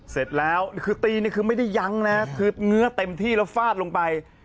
เสร็จแล้วคือตีนี่คือไม่ได้ยั้งนะคือเงื้อเต็มที่แล้วฟาดลงไป